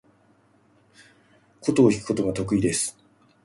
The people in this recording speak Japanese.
箏を弾くことが得意です。